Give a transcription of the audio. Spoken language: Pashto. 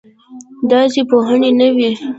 داسې پوهنې نه وې.